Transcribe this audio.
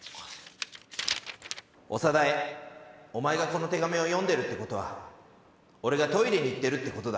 「長田へお前がこの手紙を読んでるってことは俺がトイレに行ってるってことだ」。